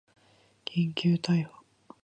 緊急逮捕